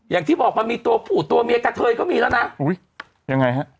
อย่างที่บอกมันมีตัวผู้ตัวเมียกระเทยก็มีแล้วนะอุ้ยยังไงฮะ